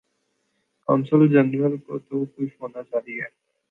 قونصل جنرل کو تو خوش ہونا چاہیے۔